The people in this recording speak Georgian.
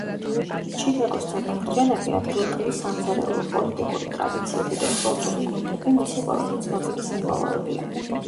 ჩიკაგოს ცათამბჯენები, ადგილობრივი სამზარეულო, პოლიტიკური ტრადიციები და სპორტული გუნდები მისი ყველაზე ცნობილი სიმბოლოებია.